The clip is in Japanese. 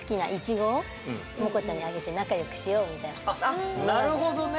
あっなるほどね！